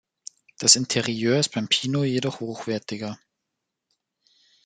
Das Interieur ist beim Pino jedoch hochwertiger.